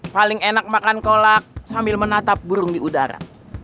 paling enak makan kolak sambil menatap burung di udara